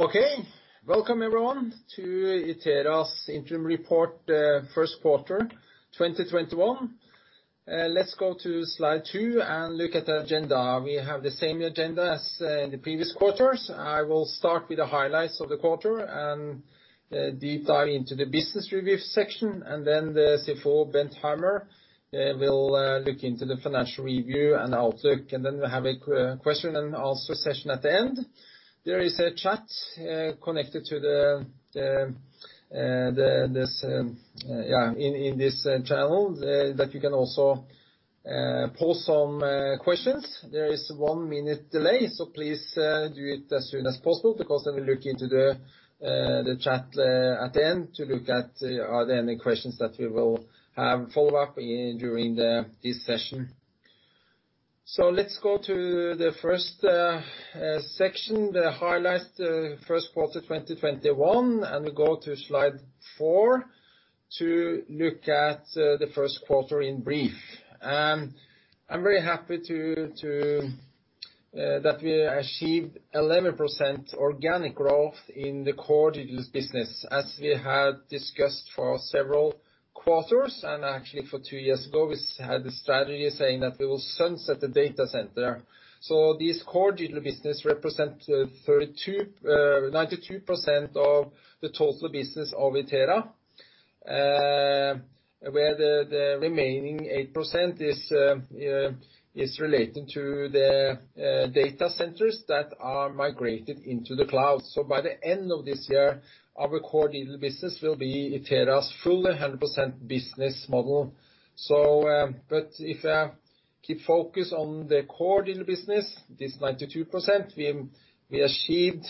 Okay. Welcome, everyone, to Itera's interim report, first quarter 2021. Let's go to slide two and look at the agenda. We have the same agenda as the previous quarters. I will start with the highlights of the quarter and deep dive into the business review section, and then the CFO, Bent Hammer, will look into the financial review and outlook. We'll have a question and answer session at the end. There is a chat connected in this channel that you can also pose some questions. There is one-minute delay, so please do it as soon as possible, because then we look into the chat at the end to look at are there any questions that we will have follow up during this session. Let's go to the first section, the highlight, the first quarter 2021. We go to slide four to look at the first quarter in brief. I'm very happy that we achieved 11% organic growth in the core digital business. As we have discussed for several quarters, and actually for two years ago, we had the strategy saying that we will sunset the data center. This core digital business represent 92% of the total business of Itera, where the remaining 8% is relating to the data centers that are migrated into the cloud. By the end of this year, our core digital business will be Itera's full 100% business model. If I keep focus on the core digital business, this 92%, we achieved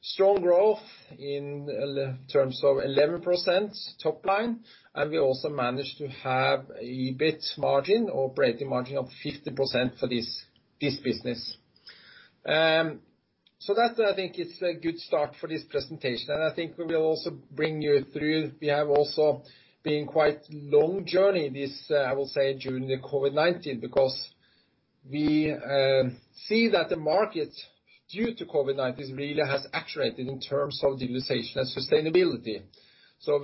strong growth in terms of 11% top line, and we also managed to have EBIT margin, operating margin of 50% for this business. That, I think, is a good start for this presentation, and I think we will also bring you through. We have also been quite long journey this, I will say, during the COVID-19, because we see that the market, due to COVID-19, really has accelerated in terms of digitalization and sustainability.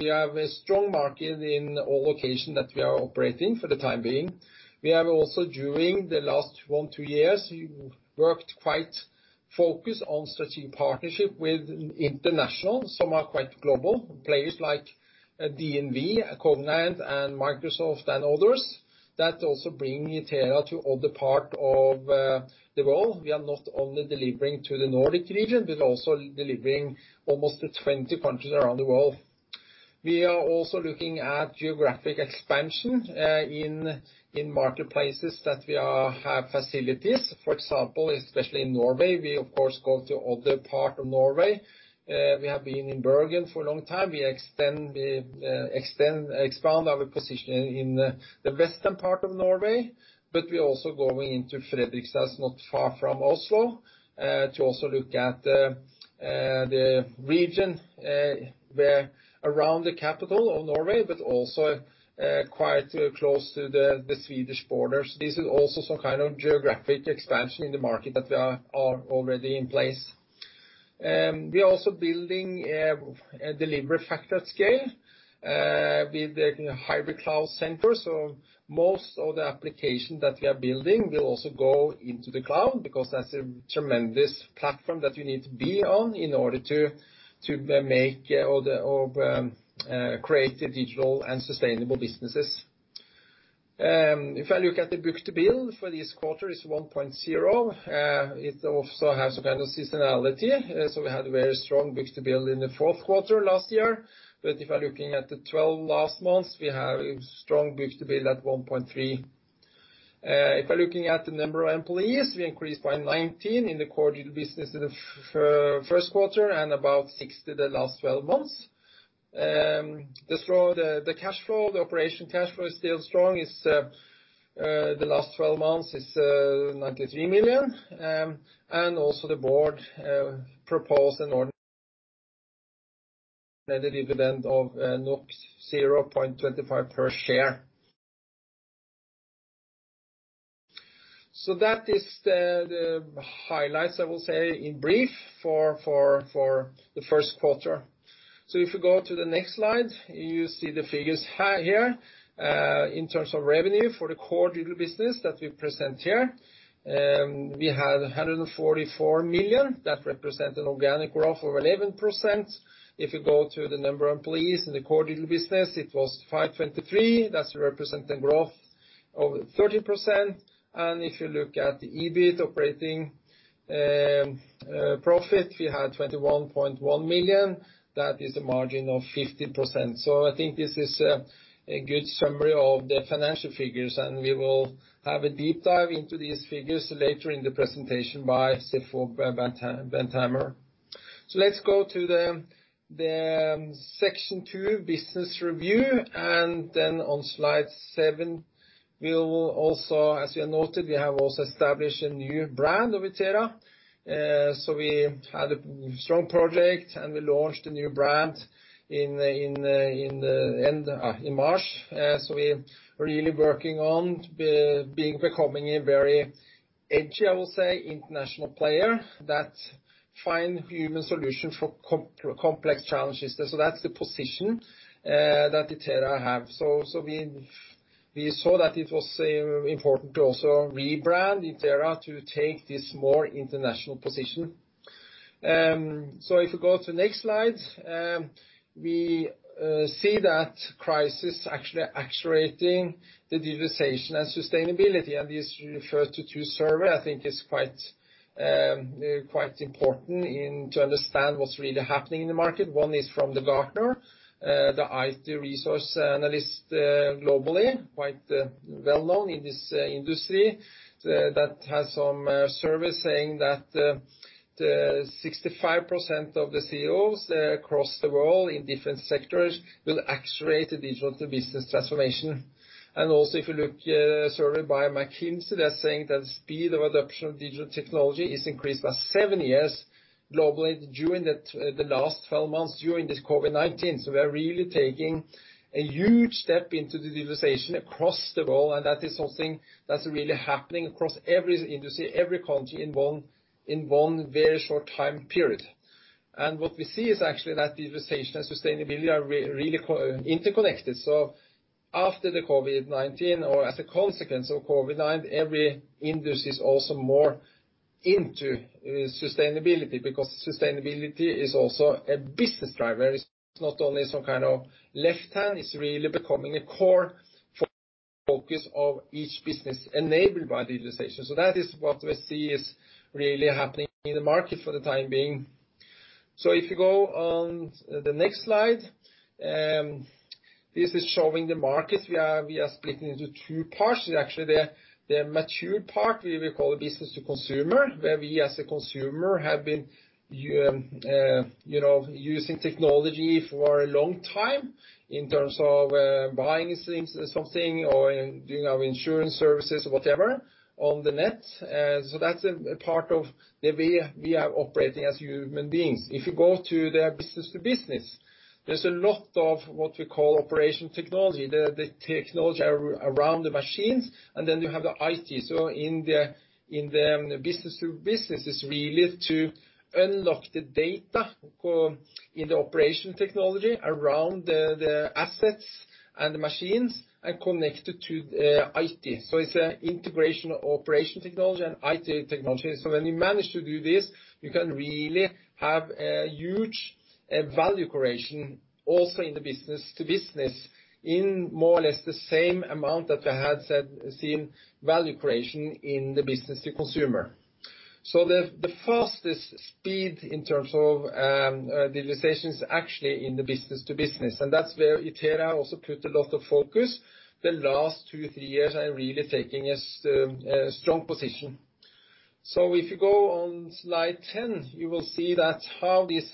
We have a strong market in all location that we are operating for the time being. We have also, during the last one, two years, worked quite focused on strategic partnership with international, some are quite global, players like DNV, Cognite and Microsoft and others. That also bring Itera to other part of the world. We are not only delivering to the Nordic region, but also delivering almost to 20 countries around the world. We are also looking at geographic expansion, in marketplaces that we have facilities. Especially in Norway, we of course go to other part of Norway. We have been in Bergen for a long time. We expand our position in the western part of Norway. We also going into Fredrikstad, not far from Oslo, to also look at the region where around the capital of Norway, also quite close to the Swedish borders. This is also some kind of geographic expansion in the market that they are already in place. We are also building a delivery factory at scale, with the hybrid cloud center. Most of the application that we are building will also go into the cloud, because that's a tremendous platform that you need to be on in order to make or create the digital and sustainable businesses. If I look at the book-to-bill for this quarter, is 1.0. It also has a kind of seasonality. We had a very strong book-to-bill in the fourth quarter last year. If you're looking at the 12 last months, we have a strong book-to-bill at 1.3. If you're looking at the number of employees, we increased by 19 in the core digital business in the first quarter, and about 60 the last 12 months. The cash flow, the operation cash flow is still strong. The last 12 months is 93 million. The board proposed a dividend of 0.25 per share. That is the highlights, I will say, in brief for the first quarter. If you go to the next slide, you see the figures here. In terms of revenue for the core digital business that we present here, we have 144 million. That represent an organic growth of 11%. If you go to the number of employees in the core digital business, it was 523. That's representing growth of 30%. If you look at the EBIT operating profit, we had 21.1 million. That is a margin of 50%. I think this is a good summary of the financial figures, and we will have a deep dive into these figures later in the presentation by CFO Bent Hammer. Let's go to the section two, business review, and then on slide seven, as you noted, we have also established a new brand of Itera. We had a strong project, and we launched a new brand in March. We're really working on becoming a very edgy, I will say, international player that find human solution for complex challenges. That's the position that Itera have. We saw that it was important to also rebrand Itera to take this more international position. If you go to next slide, we see that crisis actually accelerating the digitalization and sustainability. This refers to two survey, I think is quite important to understand what's really happening in the market. One is from the Gartner, the IT resource analyst globally, quite well-known in this industry, that has some survey saying that the 65% of the CEOs across the world in different sectors will accelerate the digital to business transformation. Also, if you look at a survey by McKinsey, they are saying that speed of adoption of digital technology is increased by seven years globally during the last 12 months during this COVID-19. We are really taking a huge step into the digitalization across the world, and that is something that is really happening across every industry, every country involved in one very short time period. What we see is actually that digitalization and sustainability are really interconnected. After the COVID-19 or as a consequence of COVID-19, every industry is also more into sustainability, because sustainability is also a business driver. It's not only some kind of left hand, it's really becoming a core focus of each business enabled by digitalization. That is what we see is really happening in the market for the time being. If you go on the next slide, this is showing the market. We are splitting into two parts, actually. The mature part, we will call it business to consumer, where we as a consumer have been using technology for a long time in terms of buying something or doing our insurance services or whatever on the net. That's a part of the way we are operating as human beings. If you go to their business to business, there's a lot of what we call operation technology. The technology around the machines, and then you have the IT. In the business to business is really to unlock the data in the operation technology around the assets and the machines, and connect it to IT. It's an integration operation technology and IT technology. When you manage to do this, you can really have a huge value creation also in the business to business in more or less the same amount that I had seen value creation in the business to consumer. The fastest speed in terms of digitalization is actually in the business to business, and that's where Itera also put a lot of focus the last two, three years and really taking a strong position. If you go on slide 10, you will see that how this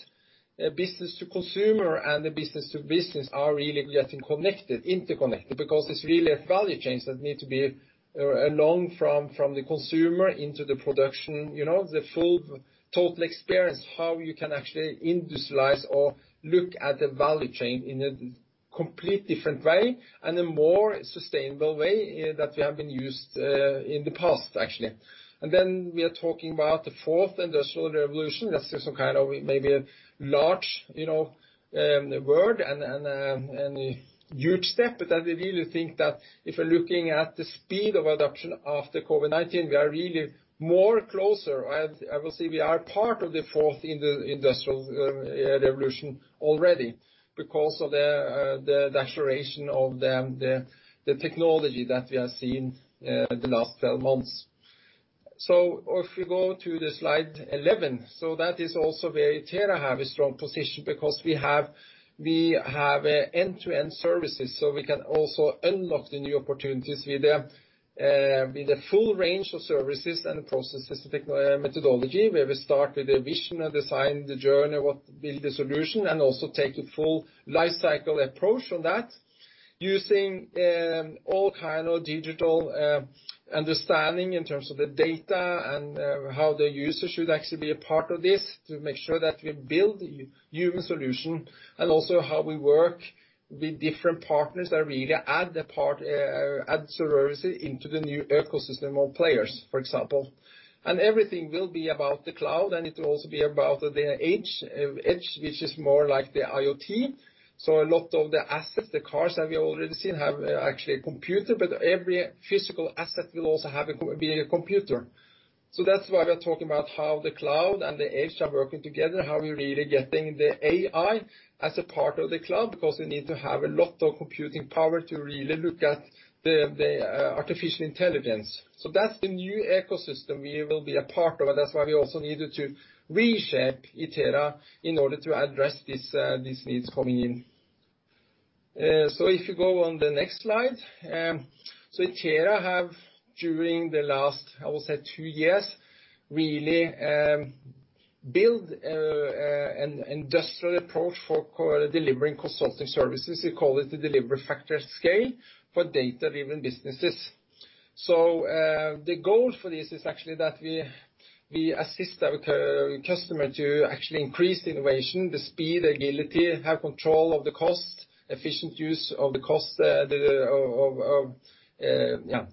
business to consumer and the business to business are really getting connected, interconnected, because it's really a value chain that need to be along from the consumer into the production. The full total experience, how you can actually industrialize or look at the value chain in a complete different way and a more sustainable way that we have been used in the past, actually. We are talking about the fourth industrial revolution. That's just maybe a large word and a huge step, but I really think that if you're looking at the speed of adoption after COVID-19, we are really more closer. I will say we are part of the fourth industrial revolution already because of the duration of the technology that we have seen the last 12 months. If we go to the slide 11. That is also where Itera have a strong position because we have end-to-end services, so we can also unlock the new opportunities with a full range of services and processes, methodology, where we start with a vision and design the journey, what build the solution, and also take a full life cycle approach on that using all kind of digital understanding in terms of the data and how the user should actually be a part of this to make sure that we build human solution. Also how we work with different partners that really add services into the new ecosystem of players, for example. Everything will be about the cloud, and it will also be about the edge, which is more like the IoT. A lot of the assets, the cars that we already seen have actually a computer, but every physical asset will also be a computer. That's why we are talking about how the cloud and the edge are working together, how we're really getting the AI as a part of the cloud, because we need to have a lot of computing power to really look at the artificial intelligence. That's the new ecosystem we will be a part of, and that's why we also needed to reshape Itera in order to address these needs coming in. If you go on the next slide. Itera have, during the last, I will say two years, really build an industrial approach for delivering consulting services. We call it the delivery factory at scale for data-driven businesses. The goal for this is actually that we assist our customer to actually increase the innovation, the speed, agility, have control of the cost, efficient use of the cost of the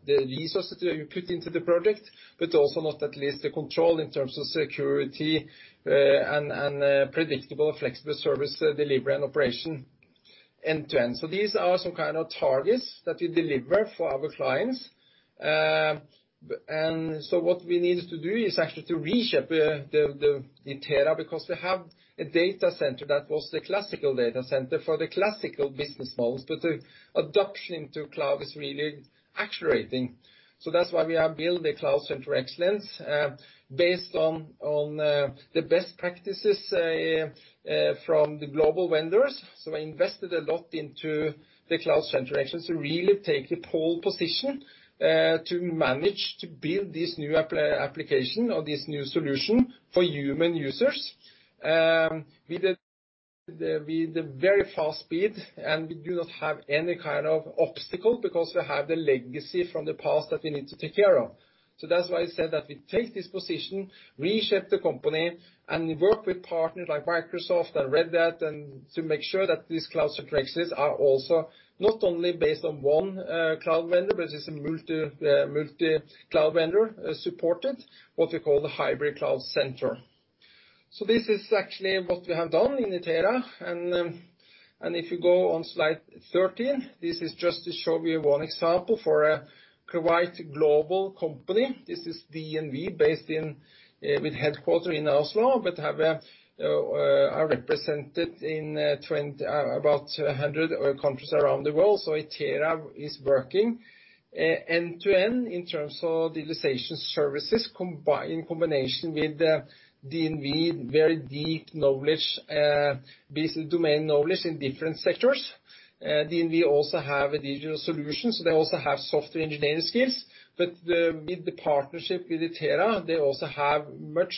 resources that you put into the project, but also not at least the control in terms of security, and predictable flexible service delivery and operation end-to-end. These are some kind of targets that we deliver for our clients. What we need to do is actually to reshape the Itera, because they have a data center that was the classical data center for the classical business models, but the adoption into cloud is really accelerating. That's why we have built the Cloud Center of Excellence, based on the best practices from the global vendors. We invested a lot into the Cloud Center of Excellence to really take the pole position, to manage to build this new application or this new solution for human users. With a very fast speed, we do not have any kind of obstacle because we have the legacy from the past that we need to take care of. That's why I said that we take this position, reshape the company, and we work with partners like Microsoft and Red Hat, to make sure that these Cloud Centers of Excellence are also not only based on one cloud vendor, but it's a multi-cloud vendor supported, what we call the hybrid cloud center. This is actually what we have done in Itera, and if you go on slide 13, this is just to show you one example for a quite global company. This is DNV, based in, with headquarters in Oslo, but are represented in about 100 countries around the world. Itera is working end-to-end in terms of digitalization services, in combination with DNV, very deep knowledge, business domain knowledge in different sectors. DNV also have a digital solution, so they also have software engineering skills. With the partnership with Itera, they also have much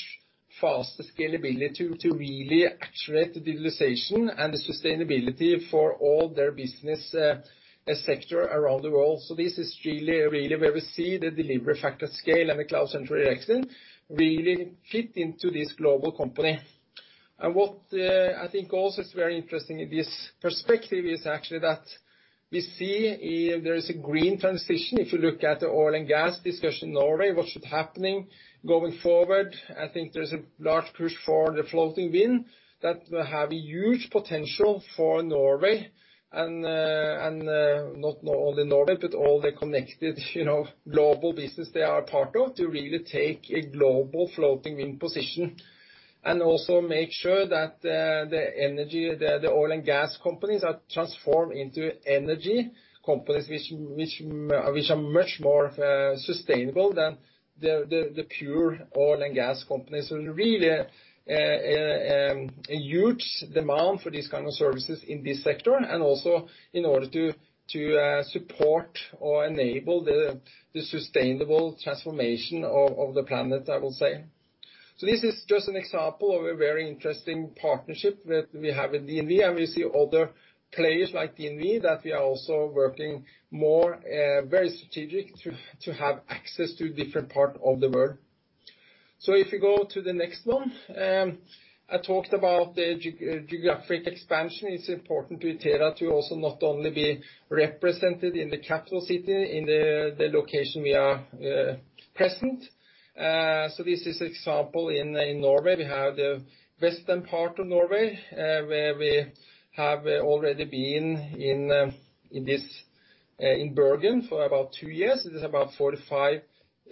faster scalability to really accelerate the digitalization and the sustainability for all their business sector around the world. This is really where we see the delivery factory at scale and the Cloud Center of Excellence really fit into this global company. What I think also is very interesting in this perspective is actually that we see there is a green transition. If you look at the oil and gas discussion in Norway, what should happening going forward, I think there's a large push for the floating wind that will have a huge potential for Norway and not only Norway, but all the connected global business they are part of, to really take a global floating wind position. Also make sure that the energy, the oil and gas companies are transformed into energy companies which are much more sustainable than the pure oil and gas companies. Really, a huge demand for these kind of services in this sector and also in order to support or enable the sustainable transformation of the planet, I will say. This is just an example of a very interesting partnership that we have with DNV. We see other players like DNV, that we are also working more, very strategic to have access to different part of the world. If you go to the next one, I talked about the geographic expansion. It's important to Itera to also not only be represented in the capital city, in the location we are present. This is example in Norway. We have the western part of Norway, where we have already been in Bergen for about two years. This is about 45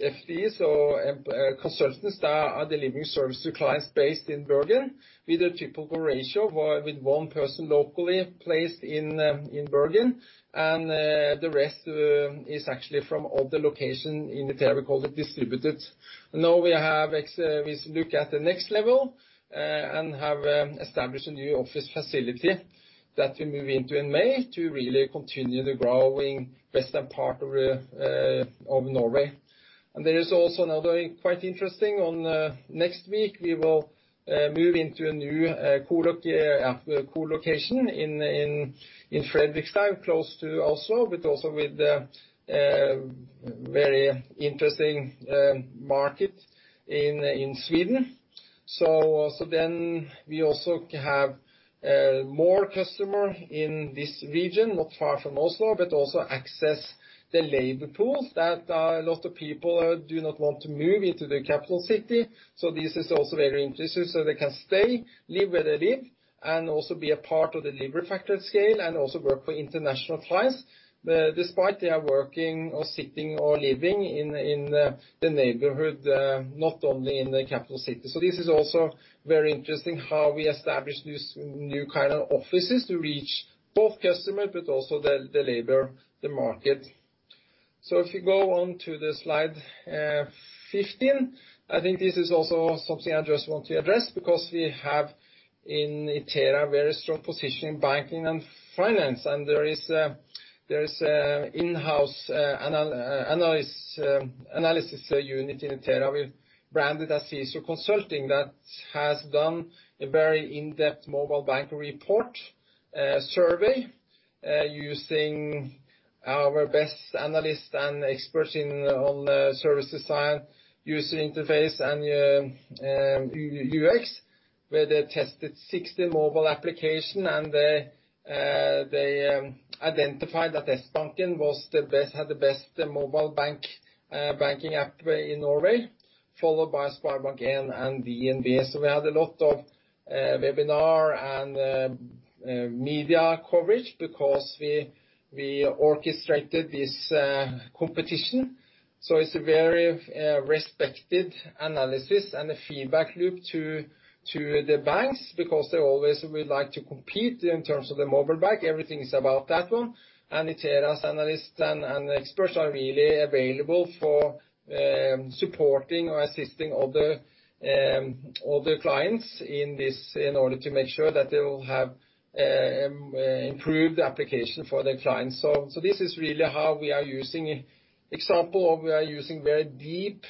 FTEs or consultants that are delivering service to clients based in Bergen with a typical ratio, with one person locally placed in Bergen, and the rest is actually from other location. In Itera, we call it distributed. Now we look at the next level, and have established a new office facility that we move into in May to really continue the growing western part of Norway. There is also another quite interesting, next week, we will move into a new co-location in Fredrikstad, close to Oslo, but also with a very interesting market in Sweden. We also have more customer in this region, not far from Oslo, but also access the labor pools that a lot of people do not want to move into the capital city. This is also very interesting. They can stay, live where they live, and also be a part of delivery factory at scale, and also work for international clients, despite they are working or sitting or living in the neighborhood, not only in the capital city. This is also very interesting how we establish this new kind of offices to reach both customers, but also the labor, the market. If you go on to the slide 15, I think this is also something I just want to address because we have in Itera, a very strong position in banking and finance and there is a in-house analysis unit in Itera. We've branded as Cicero Consulting that has done a very in-depth mobile bank report, survey, using our best analysts and experts on the services side, user interface and UX, where they tested 60 mobile application and they identified that Sbanken had the best mobile banking app in Norway. Followed by SpareBank 1 and DNB. We had a lot of webinar and media coverage because we orchestrated this competition. It's a very respected analysis and a feedback loop to the banks because they always would like to compete in terms of the mobile bank. Everything is about that one, Itera's analysts and experts are really available for supporting or assisting other clients in order to make sure that they will have improved the application for their clients. This is really how we are using example or we are using very deep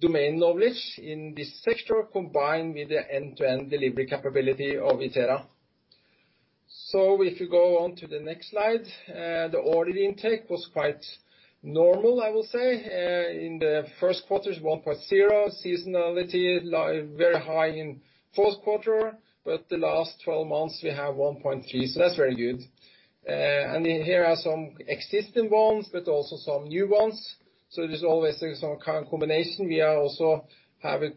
domain knowledge in this sector combined with the end-to-end delivery capability of Itera. If you go on to the next slide, the order intake was quite normal, I will say. In the first quarter is 1.0, seasonality very high in fourth quarter, but the last 12 months we have 1.3, so that's very good. Here are some existing ones, but also some new ones. There's always some kind of combination. We are also have a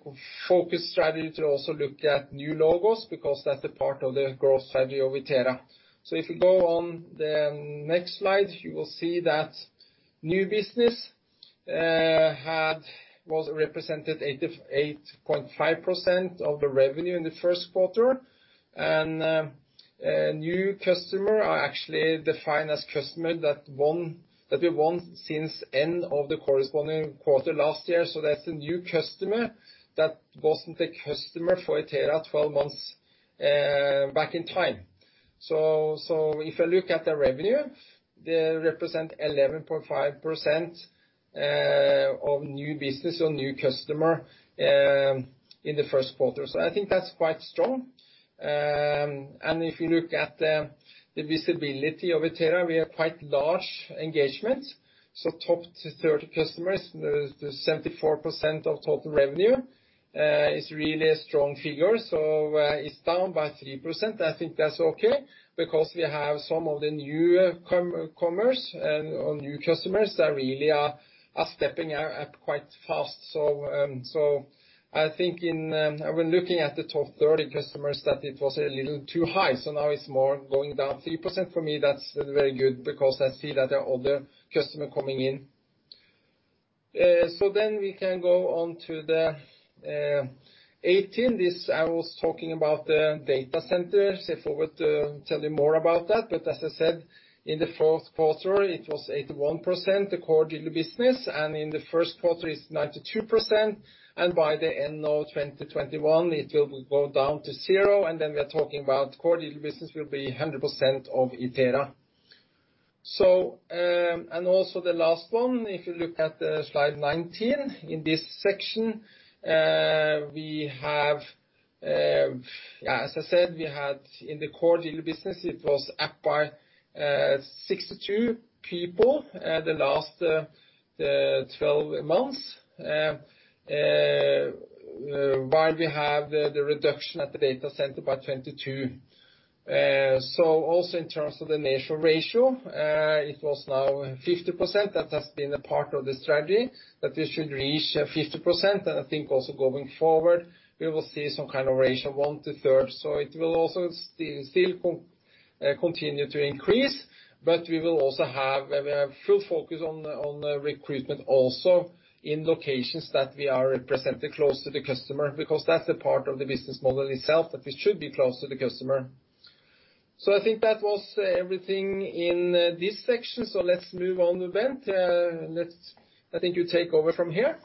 focused strategy to also look at new logos because that's the part of the growth strategy of Itera. If you go on the next slide, you will see that new business was represented 88.5% of the revenue in the first quarter. New customer are actually defined as customer that we won since end of the corresponding quarter last year. That's a new customer that wasn't a customer for Itera 12 months back in time. If I look at the revenue, they represent 11.5% of new business or new customer in the first quarter. I think that's quite strong. If you look at the visibility of Itera, we are quite large engagement. Top 30 customers, the 74% of total revenue, is really a strong figure. It's down by 3%. I think that's okay because we have some of the new commerce or new customers that really are stepping up quite fast. I think when looking at the top 30 customers, that it was a little too high. Now it's more going down 3%. For me, that's very good because I see that there are other customer coming in. We can go on to the 18. This I was talking about the data center, save for to tell you more about that. As I said, in the fourth quarter it was 81%, the core digital business, and in the first quarter it's 92%, and by the end of 2021 it will go down to zero. We are talking about core digital business will be 100% of Itera. Also the last one, if you look at the slide 19, in this section, as I said, we had in the core digital business, it was up by 62 people the last 12 months. While we have the reduction at the data center by 22. Also in terms of the nearshore ratio, it was now 50%. That has been a part of the strategy that we should reach 50%. I think also going forward, we will see some kind of ratio one to third. It will also still continue to increase, but we will also have full focus on the recruitment also in locations that we are represented close to the customer because that's the part of the business model itself, that we should be close to the customer. I think that was everything in this section. Let's move on, Bent. I think you take over from here.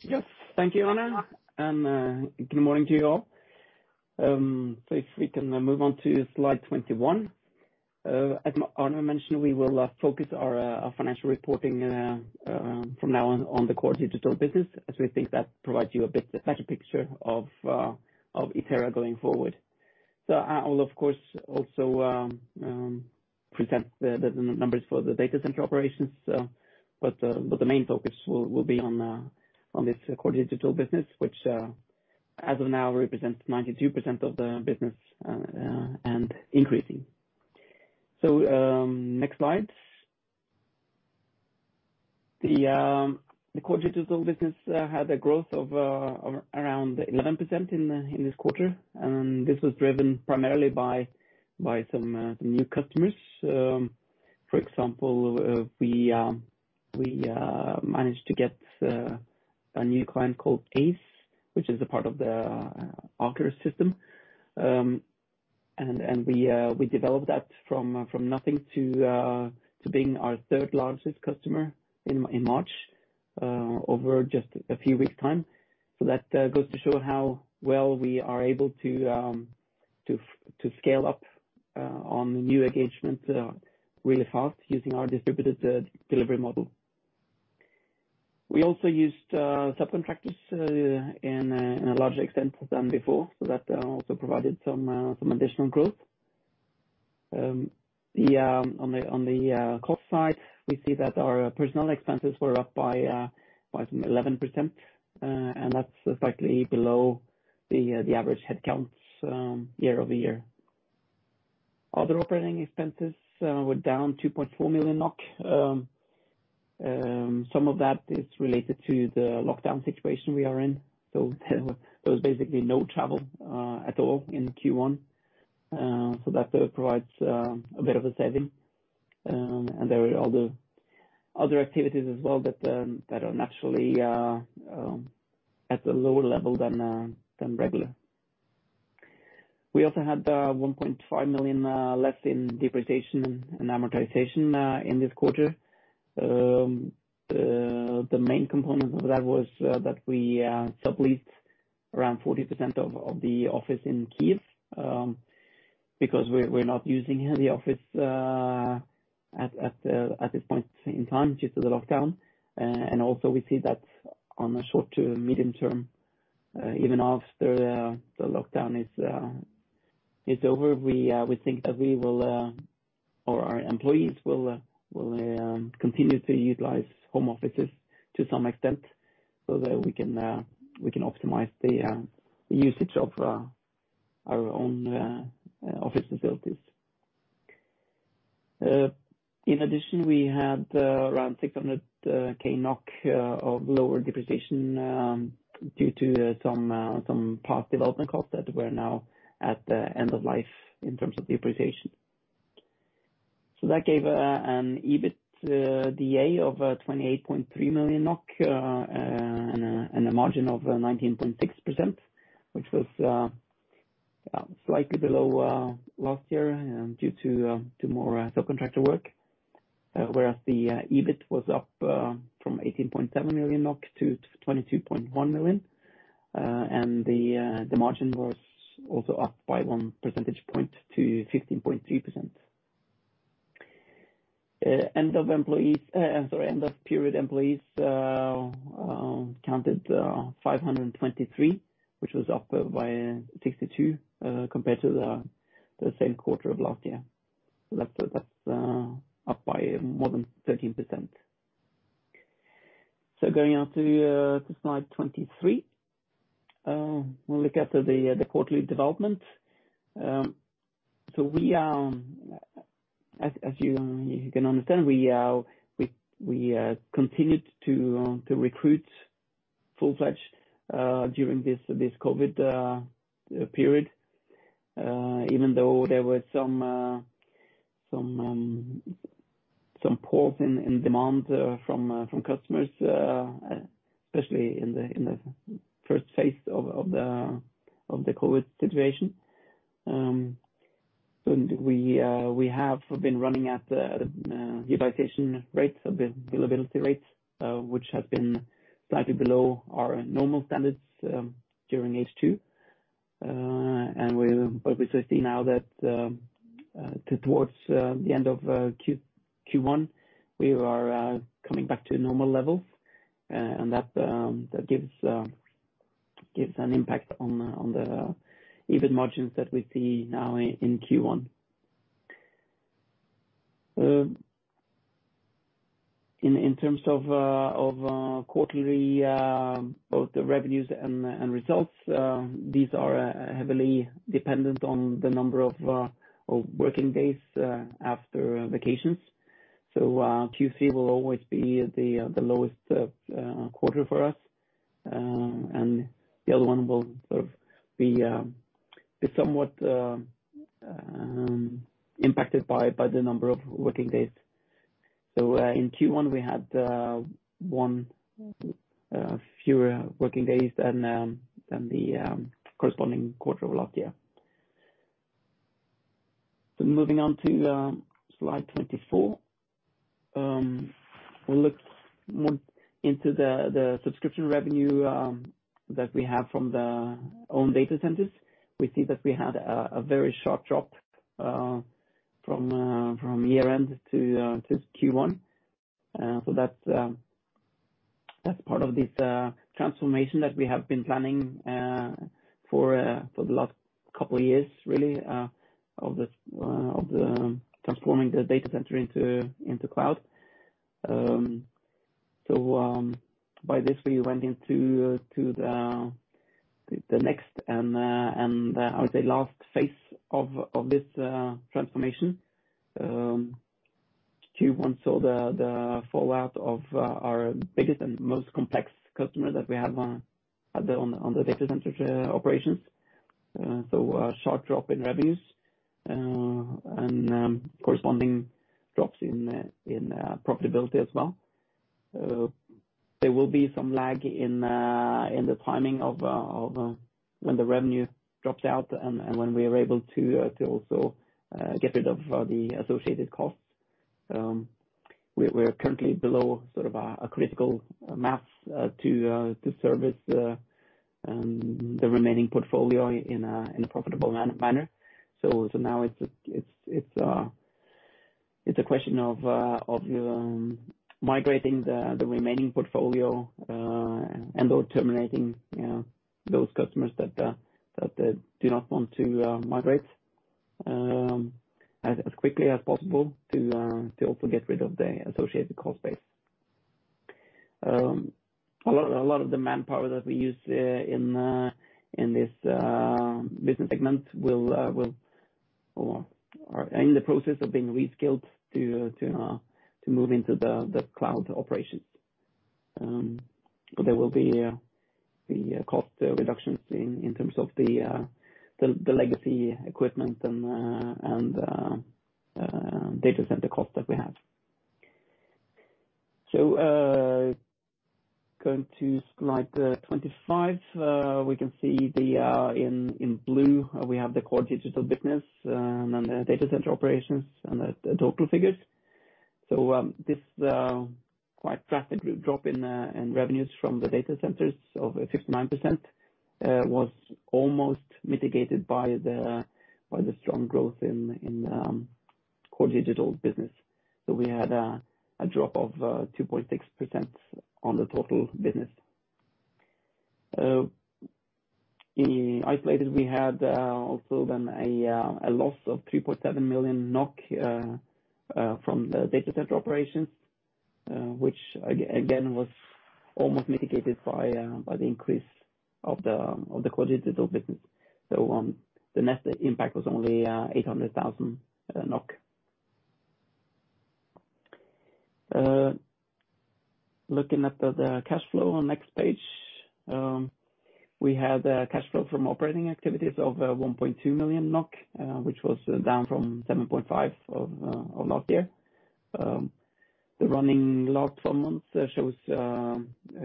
Yes. Thank you, Arne. Good morning to you all. If we can move on to slide 21. As Arne mentioned, we will focus our financial reporting from now on the core digital business as we think that provides you a better picture of Itera going forward. I will, of course, also present the numbers for the data center operations. The main focus will be on this core digital business which as of now represents 92% of the business, and increasing. Next slide. The core digital business had a growth of around 11% in this quarter, and this was driven primarily by some new customers. For example, we managed to get a new client called Aize which is a part of the Aker system. We developed that from nothing to being our third largest customer in March, over just a few weeks time. That goes to show how well we are able to scale up on new engagement really fast using our distributed delivery model. We also used subcontractors in a larger extent than before, so that also provided some additional growth. The cost side, we see that our personnel expenses were up by some 11%, and that's slightly below the average headcounts year-over-year. Other operating expenses were down 2.4 million NOK. Some of that is related to the lockdown situation we are in. There was basically no travel at all in Q1. That provides a bit of a saving. There were other activities as well that are naturally at a lower level than regular. We also had 1.5 million less in depreciation and amortization in this quarter. The main component of that was that we subleased around 40% of the office in Kyiv, because we're not using the office at this point in time due to the lockdown. Also we see that on a short to medium term, even after the lockdown is over, we think that our employees will continue to utilize home offices to some extent so that we can optimize the usage of our own office facilities. In addition, we had around 600,000 of lower depreciation due to some past development costs that were now at the end of life in terms of depreciation. That gave an EBITDA of 28.3 million NOK and a margin of 19.6%, which was slightly below last year and due to more subcontractor work, whereas the EBIT was up from 18.7 million NOK to 22.1 million. The margin was also up by 1 percentage point to 15.3%. End of period employees counted 523, which was up by 62 compared to the same quarter of last year. That's up by more than 13%. Going on to slide 23. We'll look at the quarterly development. As you can understand, we continued to recruit full-fledged during this COVID period, even though there was some pause in demand from customers, especially in the first phase of the COVID situation. We see now that towards the end of Q1, we are coming back to normal levels, and that gives an impact on the EBIT margins that we see now in Q1. In terms of quarterly, both the revenues and results, these are heavily dependent on the number of working days after vacations. Q3 will always be the lowest quarter for us, and the other one will sort of be somewhat impacted by the number of working days. In Q1, we had one fewer working days than the corresponding quarter of last year. Moving on to slide 24. We'll look more into the subscription revenue that we have from the own data centers. We see that we had a very sharp drop from year-end to Q1. That's part of this transformation that we have been planning for the last couple of years, really, of transforming the data center into cloud. By this we went into the next, and I would say last phase of this transformation. Q1 saw the fallout of our biggest and most complex customer that we have on the data center operations. A sharp drop in revenues and corresponding drops in profitability as well. There will be some lag in the timing of when the revenue drops out and when we are able to also get rid of the associated costs. We're currently below sort of a critical mass to service the remaining portfolio in a profitable manner. Now it's a question of migrating the remaining portfolio and/or terminating those customers that do not want to migrate as quickly as possible to also get rid of the associated cost base. A lot of the manpower that we use in this business segment are in the process of being reskilled to move into the cloud operations. There will be cost reductions in terms of the legacy equipment and data center cost that we have. Going to slide 25. We can see in blue, we have the core digital business, and then the data center operations and the total figures. This quite drastic drop in revenues from the data centers of 59% was almost mitigated by the strong growth in core digital business. We had a drop of 2.6% on the total business. Isolated, we had also then a loss of 3.7 million NOK from the data center operations, which again was almost mitigated by the increase of the core digital business. The net impact was only 800,000 NOK. Looking at the cash flow on next page. We had a cash flow from operating activities of 1.2 million NOK, which was down from 7.5 million of last year. The running last 12 months shows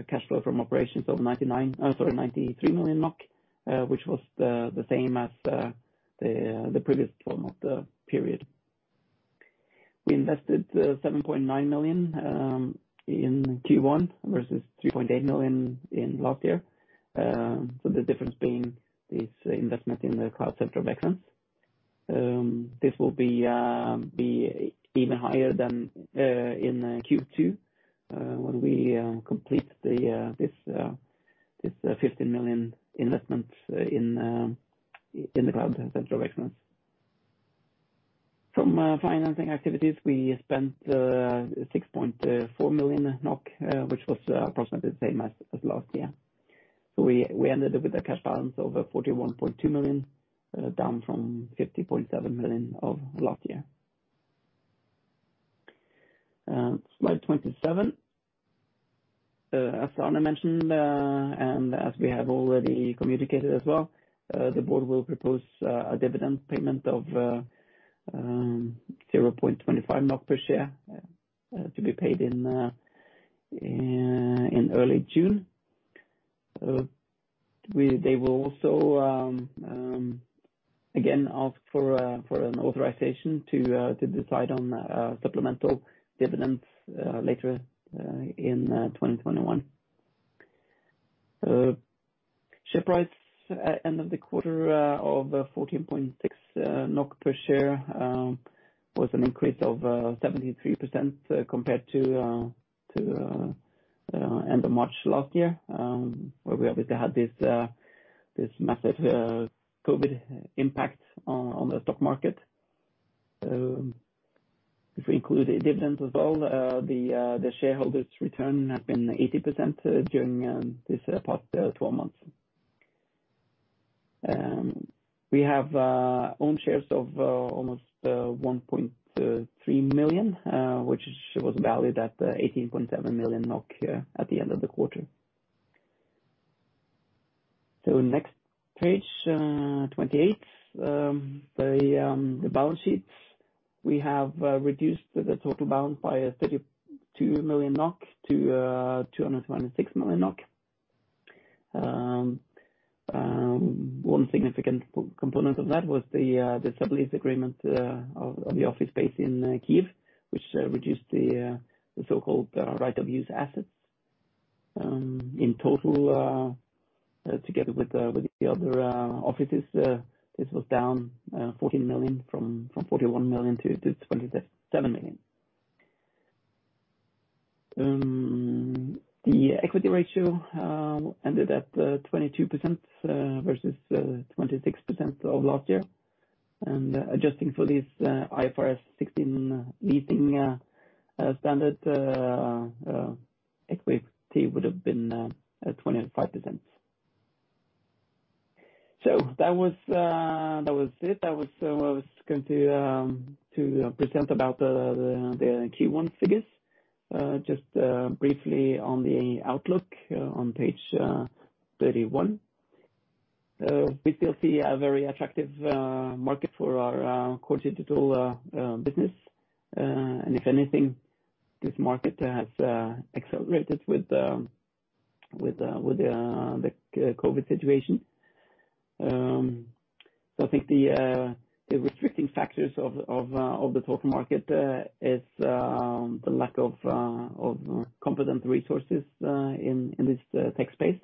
cash flow from operations of 93 million NOK, which was the same as the previous 12-month period. We invested 7.9 million in Q1 versus 3.8 million in last year. The difference being this investment in the Cloud Center of Excellence. This will be even higher than in Q2 when we complete this 15 million investment in the Cloud Center of Excellence. From financing activities, we spent 6.4 million NOK, which was approximately the same as last year. We ended with a cash balance of 41.2 million, down from 50.7 million of last year. Slide 27. As Arne mentioned, and as we have already communicated as well, the board will propose a dividend payment of 0.25 per share to be paid in early June. They will also, again, ask for an authorization to decide on supplemental dividends later in 2021. Share price end of the quarter of 14.6 NOK per share, was an increase of 73% compared to end of March last year, where we obviously had this massive COVID-19 impact on the stock market. If we include the dividend as well, the shareholders return have been 80% during this past 12 months. We have own shares of almost 1.3 million, which was valued at 18.7 million at the end of the quarter. Next page, 28. The balance sheets. We have reduced the total balance by 32 million NOK to 296 million NOK. One significant component of that was the sublease agreement of the office space in Kyiv, which reduced the so-called right of use assets. In total, together with the other offices, this was down 14 million from 41 million to 27 million. The equity ratio ended at 22% versus 26% of last year. Adjusting for this IFRS 16 leasing standard, equity would have been at 25%. That was it. That was what I was going to present about the Q1 figures. Just briefly on the outlook on page 31. We still see a very attractive market for our core digital business. If anything, this market has accelerated with the COVID situation. I think the restricting factors of the total market is the lack of competent resources in this tech space.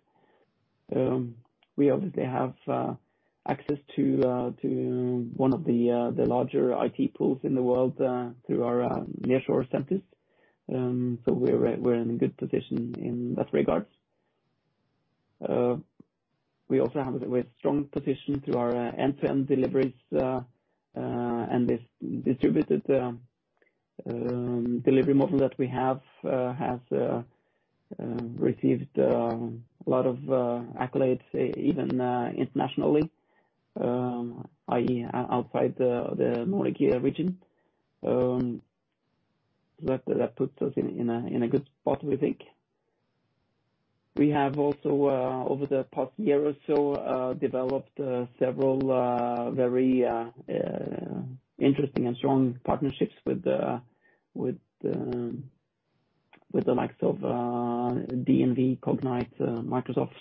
We obviously have access to one of the larger IT pools in the world through our nearshore centers. We're in a good position in that regard. We also have a strong position through our end-to-end deliveries, and this distributed delivery model that we have has received a lot of accolades, even internationally, i.e., outside the Nordic region. That puts us in a good spot, we think. We have also, over the past year or so, developed several very interesting and strong partnerships with the likes of DNV, Cognite, Microsoft,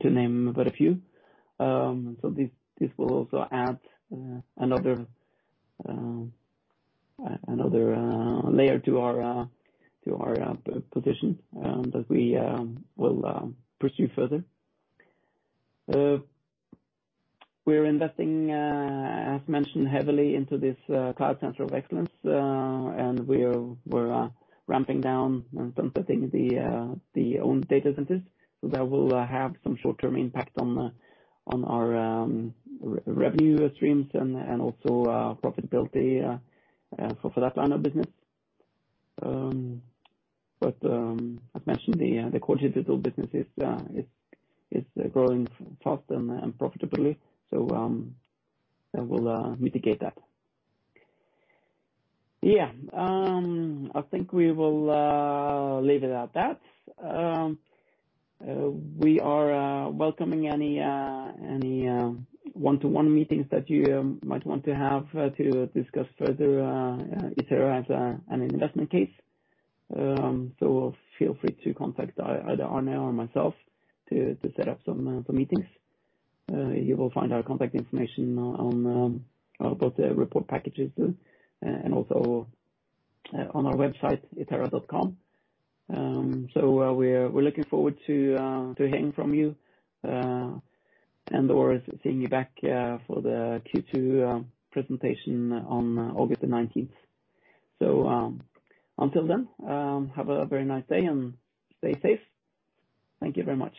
to name but a few. This will also add another layer to our position that we will pursue further. We're investing, as mentioned, heavily into this Cloud Center of Excellence, and we're ramping down and sunsetting the owned data centers. That will have some short-term impact on our revenue streams and also profitability for that line of business. As mentioned, the core digital business is growing fast and profitably. That will mitigate that. I think we will leave it at that. We are welcoming any one-to-one meetings that you might want to have to discuss further Itera as an investment case. Feel free to contact either Arne or myself to set up some meetings. You will find our contact information on both the report packages and also on our website, itera.com. We're looking forward to hearing from you, and/or seeing you back for the Q2 presentation on August the 19th. Until then, have a very nice day and stay safe. Thank you very much.